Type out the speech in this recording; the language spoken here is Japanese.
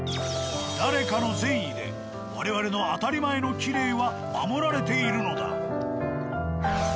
誰かの善意で我々の当たり前のきれいは守られているのだ。